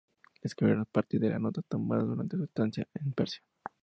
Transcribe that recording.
La escribió a partir de las notas tomadas durante su estancia en Persia.